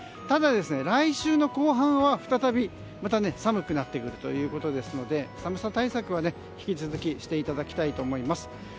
ただ、来週の後半は再びまた寒くなってくるということですので寒さ対策は引き続きしていただきたいと思います。